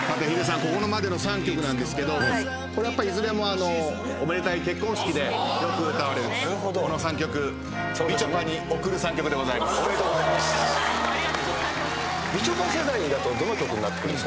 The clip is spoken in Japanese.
ここまでの３曲なんですけどこれやっぱりいずれもおめでたい結婚式でよく歌われるこの３曲。おめでとうございます。